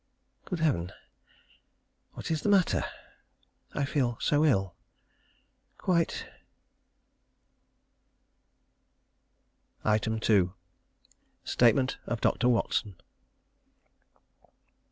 Good Heaven! What is the matter? I feel so ill quite 2. _Statement of Dr. Watson.